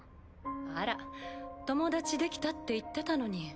あら友達できたって言ってたのに。